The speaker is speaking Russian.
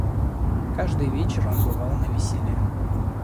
Каждый вечер он бывал навеселе.